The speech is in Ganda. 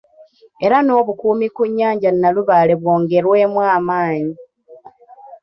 Era n'obukuumi ku nyanja Nnalubaale bwongerwemu amaanyi.